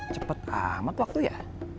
cepet amat waktu ya